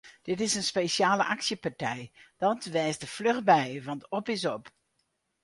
Dit is in spesjale aksjepartij, dat wês der fluch by want op is op!